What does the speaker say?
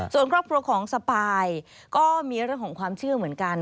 ส่วนครอบครัวของสปายก็มีเรื่องของความเชื่อเหมือนกัน